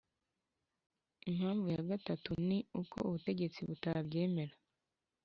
Impamvu ya gatatu ni uko ubutegetsi butabyemera